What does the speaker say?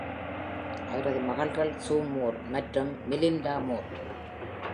அவரது மகள்கள் Sue Moore மற்றும் மெலிண்டா மூர்.